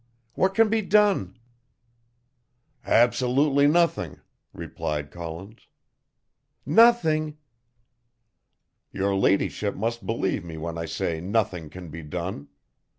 What can be done?" "Absolutely nothing," replied Collins. "Nothing?" "Your ladyship must believe me when I say nothing can be done.